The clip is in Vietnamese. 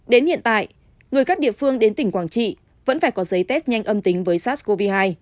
đến hiện tại người các địa phương đến tỉnh quảng trị vẫn phải có giấy test nhanh âm tính với sars cov hai